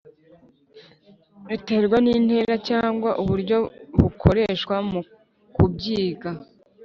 Biterwa n’intera cyangwa uburyo bukoreshwa mu kubyiga